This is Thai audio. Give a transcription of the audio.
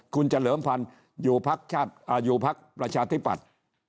คุณเฉลิมพันธุ์ศรีวิกรอยู่พักประชาธิบัติ